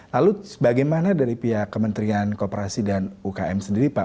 lalu bagaimana dari pihak kementerian kooperasi dan ukm sendiri pak